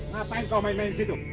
ngapain kau main main disitu